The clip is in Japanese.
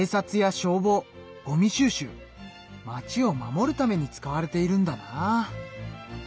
町を守るために使われているんだな。